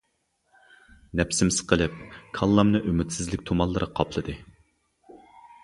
نەپسىم سىقىلىپ، كاللامنى ئۈمىدسىزلىك تۇمانلىرى قاپلىدى.